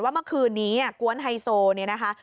ว่าเมื่อคืนนี้กว้นไฮโซนี่นะคะ